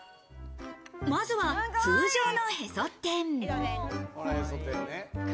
まずは通常のへそ天。